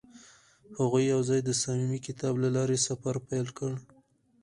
هغوی یوځای د صمیمي کتاب له لارې سفر پیل کړ.